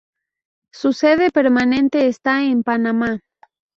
Su sede permanente está en Panamá.